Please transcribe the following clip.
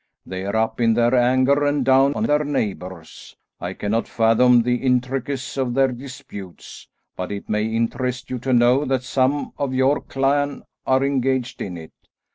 They're up in their anger and down on their neighbours. I cannot fathom the intricacies of their disputes, but it may interest you to know that some of your clan are engaged in it.